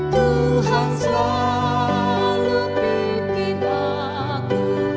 tuhan selalu pimpin aku